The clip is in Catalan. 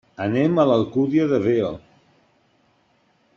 Anem a l'Alcúdia de Veo.